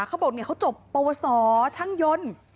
เขาบอกเขาจบปวสอช่างยนต์